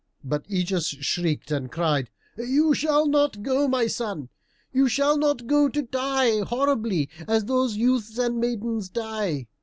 But Ægeus shrieked and cried, "You shall not go, my son, you shall not go to die horribly, as those youths and maidens die.